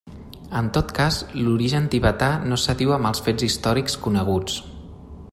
En tot cas l'origen tibetà no s'adiu amb els fets històrics coneguts.